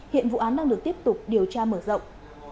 hiện vụ án đang được tiếp tục điều tra mở rộng